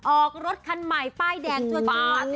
ออกรถคันใหม่ป้ายแดงชั่ว